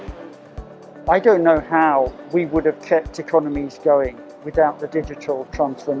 saya tidak tahu bagaimana kita akan menjaga ekonomi tanpa perubahan digital semasa covid sembilan belas